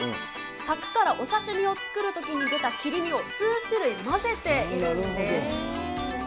さくからお刺身を作るときに出た切り身を数種類混ぜているんです。